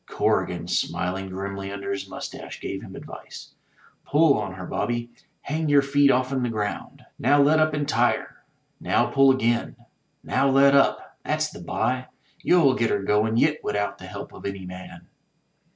Corrigan, smiling grimly under his moustache, gave him advice. *Tull on her, Bobby, hang yer feet off'n the ground. Now let up entire! Now pull again! Now let up! That's the bye! You'll get her goin' yit widout the help of any man."